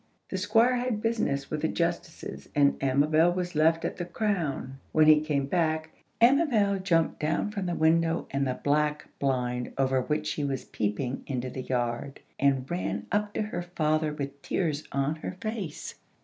The Squire had business with the Justices, and Amabel was left at the Crown. When he came back, Amabel jumped down from the window and the black blind over which she was peeping into the yard, and ran up to her father with tears on her face.